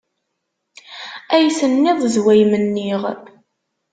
Ay tenniḍ d way m-nniɣ.